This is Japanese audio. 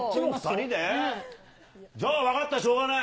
じゃあ分かった、しょうがない。